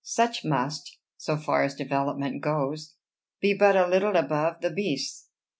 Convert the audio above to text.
Such must, so far as development goes, be but a little above the beasts."